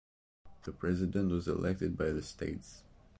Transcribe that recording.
The president was elected by the states.